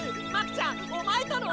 ちゃんおまえとの！！